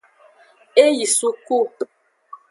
E yi suku.